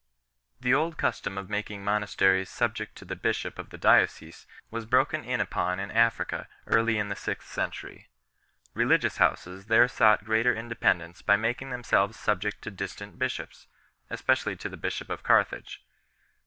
The old custom of making monasteries subject to the bishop of the diocese was broken in upon in Africa early in the sixth century. Religious Houses there sought greater independence by making themselves subject to distant bishops, especially to the bishop of Carthage 7